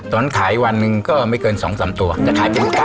ทนขายในวันนึงก็ไม่เกิน๒๓ตัวแต่ขายเป็นกับ